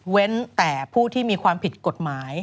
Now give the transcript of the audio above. แต่ผู้ที่มีความผิดกฎหมาย